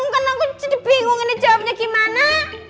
karena aku jadi bingung ini jawabnya gimana